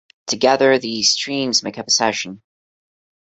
Together, these streams make up a session.